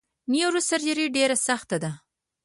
نیوروسرجري ډیره سخته ده!